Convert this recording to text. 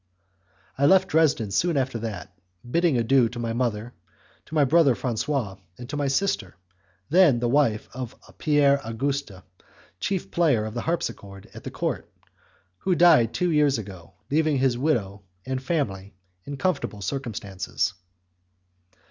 I left Dresden soon after that, bidding adieu to my mother, to my brother Francois, and to my sister, then the wife of Pierre Auguste, chief player of the harpsichord at the Court, who died two years ago, leaving his widow and family in comfortable circumstances.